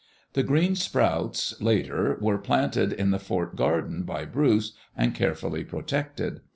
The green sprouts, later, were planted in the fort garden by Bruce and carefully protected.